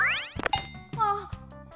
あっ。